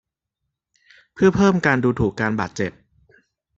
เพื่อเพิ่มการดูถูกการบาดเจ็บ